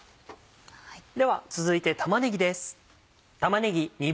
では続いて玉ねぎです。